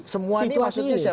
semua ini maksudnya siapa